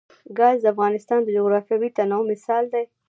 ګاز د افغانستان د جغرافیوي تنوع مثال دی.